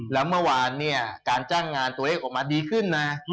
แล้วเมื่อวานเนี่ยการจ้างงานตัวเองออกมาดีขึ้นนะ